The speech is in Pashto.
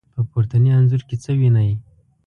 په پورتني انځور کې څه وينئ؟